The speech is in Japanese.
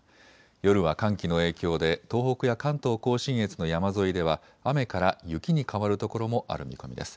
夜は寒気の影響で東北や関東甲信越の山沿いでは雨から雪に変わる所もある見込みです。